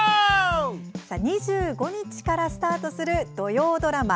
２５日からスタートする土曜ドラマ